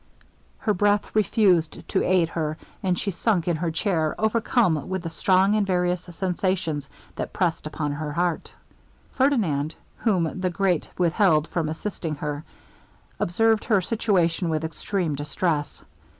Her breath refused to aid her, and she sunk in her chair overcome with the strong and various sensations that pressed upon her heart. Ferdinand, whom the grate withheld from assisting her, observed her situation with extreme distress.